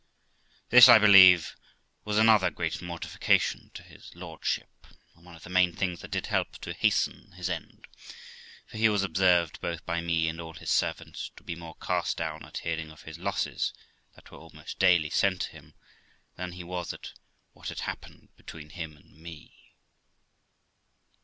This, I believe, was another great mortification to his lordship, and one of the main things that did help to hasten his end ; for he was observed, both by me and all his servants, to be more cast down at hearing of his losses, that were almost daily sent to him, than he was at what had happened between him and me.